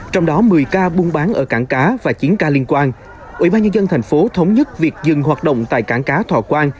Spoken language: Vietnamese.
trong đó một mươi ca buôn bán ở cảng cá